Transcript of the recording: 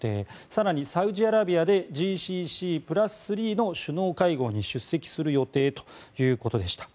更にサウジアラビアでＧＣＣ＋３の首脳会合に出席する予定ということでした。